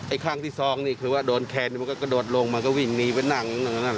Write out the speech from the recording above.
ครั้งที่สองนี่คือว่าโดนแคนมันก็กระโดดลงมันก็วิ่งหนีไปนั่ง